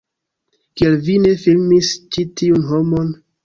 Kial vi ne filmis ĉi tiun homon?